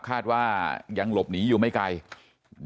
คาดว่ายังหลบหนีอยู่ไม่ไกล